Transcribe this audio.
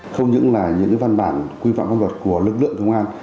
không những là những văn bản quy phạm pháp luật của lực lượng công an